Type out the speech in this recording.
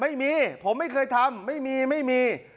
ไม่มีผมไม่เคยทำไม่มีไม่มี